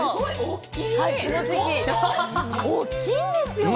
大きいんですよ。